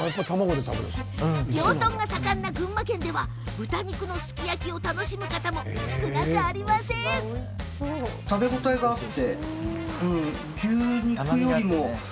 養豚が盛んな群馬県では豚肉のすき焼きを楽しむ方も少なくないんです。